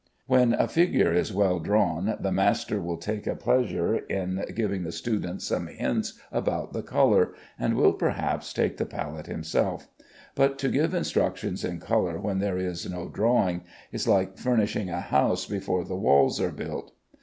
When a figure is well drawn, the master will take a pleasure in giving the student some hints about the color, and will perhaps take the palette himself; but to give instruction in color when there is no drawing, is like furnishing a house before the walls are built.